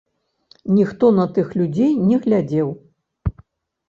Ніхто на тых людзей не глядзеў!